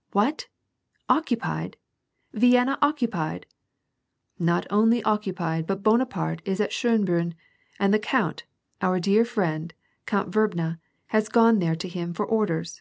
*^ What ! occupied, Vienna occupied !"Not only occupied, but Bonaparte is at Schonbriinn, and the count, pur dear friend, Count Vrbna, has gone there to him for orders."